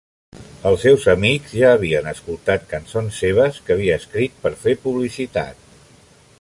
Els seus amics ja havien escoltat cançons seves que havia escrit per fer publicitat.